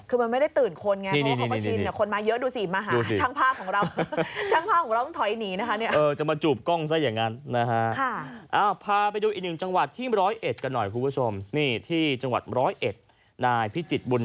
คือมันไม่ได้ตื่นคนไงเขาก็ชิน